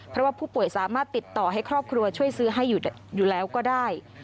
เพราะว่าผู้ป่วยสามารถติดต่อให้ครอบครัวช่วยซื้อให้อยู่แล้วก็ได้